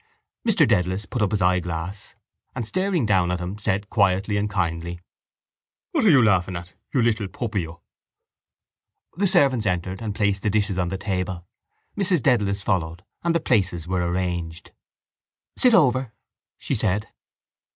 Mr Dedalus put up his eyeglass and, staring down at him, said quietly and kindly: —What are you laughing at, you little puppy, you? The servants entered and placed the dishes on the table. Mrs Dedalus followed and the places were arranged. —Sit over, she said.